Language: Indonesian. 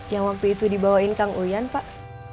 yang waktu itu dibawakan kang urian pak